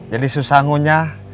jadi susah ngunyah